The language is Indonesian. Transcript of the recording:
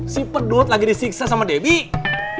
si pedut lagi disiksa sama debbie